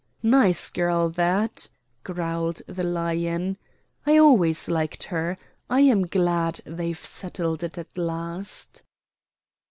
"Nice gal, that," growled the Lion. "I always liked her. I am glad they've settled it at last."